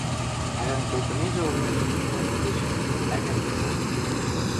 Ӓвӓм колтынежӹ ылнежӹ, дӓ лӱдеш, ӓтям вырсаш тӹнгӓлеш.